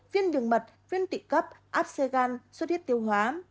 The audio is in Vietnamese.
viên vườn mật viên tị cấp áp xê gan suốt hiếp tiêu hóa